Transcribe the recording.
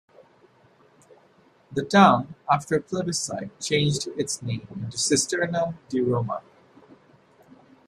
The town, after a plebiscite, changed its name into Cisterna di Roma.